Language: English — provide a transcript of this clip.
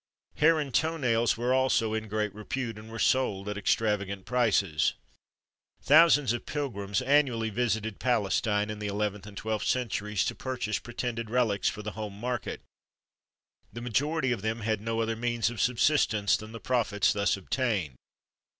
Hair and toe nails were also in great repute, and were sold at extravagant prices. Thousands of pilgrims annually visited Palestine in the eleventh and twelfth centuries, to purchase pretended relics for the home market. The majority of them had no other means of subsistence than the profits thus obtained.